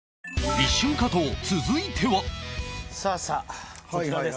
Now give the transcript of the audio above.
一瞬加藤続いてはさあさあこちらです。